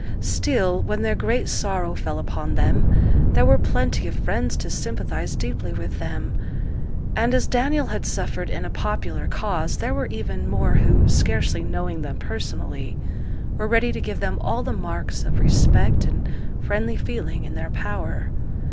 Still, when their great sorrow fell upon them, there were plenty of friends to sympathize deeply with them; and, as Daniel had suffered in a popular cause, there were even more who, scarcely knowing them personally, were ready to give them all the marks of respect and friendly feeling in their power.